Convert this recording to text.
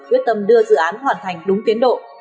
quyết tâm đưa dự án hoàn thành đúng tiến độ